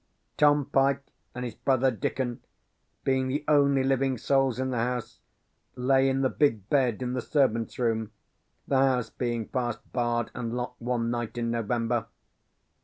"Tom Pyke and his brother Dickon, being the only living souls in the house, lay in the big bed in the servants' room, the house being fast barred and locked, one night in November.